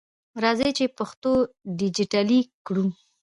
راځئ چې پښتو ډیجټالي کړو!